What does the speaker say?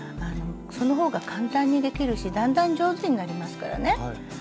その方が簡単にできるしだんだん上手になりますからね。